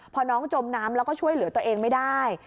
พอน้องจมน้ำแล้วก็ช่วยเหลือตัวเองไม่ได้